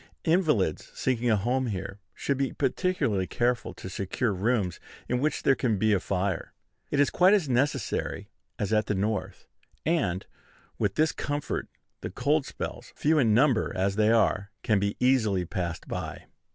Invalids seeking a home here should be particularly careful to secure rooms in which there can be a fire. It is quite as necessary as at the North; and, with this comfort, the cold spells, few in number as they are, can be easily passed by.